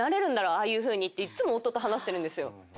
ああいうふうにっていっつも夫と話してるんですよ。